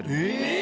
え！